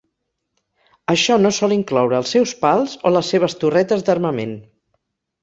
Això no sol incloure els seus pals o les seves torretes d'armament.